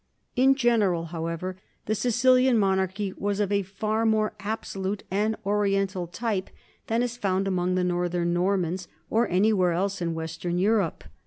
In general, however, the Sicilian monarchy was of a far more absolute and Oriental type than is found among the northern Normans or anywhere else in western Europe.